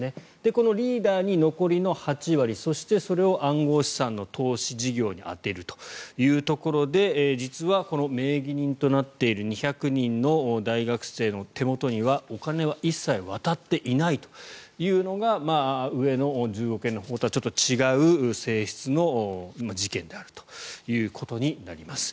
このリーダーに残りの８割そして、それを暗号資産の投資事業に充てるというところで実はこの名義人となっている２００人の大学生の手元にはお金は一切渡っていないというのが上の１０億円のほうとは違う性質の事件であるということになります。